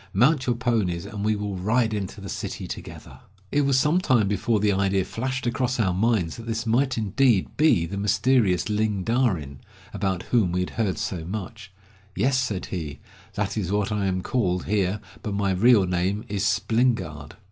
Mount your ponies, and we will ride into the city together." RIDING BY THE GREAT WALL ON THE ROAD TO SU CHOU. 173 It was some time before the idea flashed across our minds that this might indeed be the mysterious Ling Darin about whom we had heard so much. "Yes," said he, "that is what I am called here, but my real name is Splingard."